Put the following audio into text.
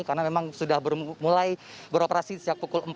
karena memang sudah mulai beroperasi sejak pukul empat